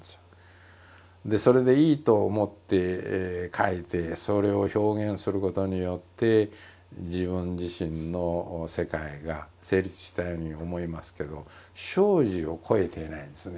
それでいいと思って書いてそれを表現することによって自分自身の世界が成立したように思いますけど生死をこえていないんですね。